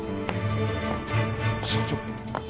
社長。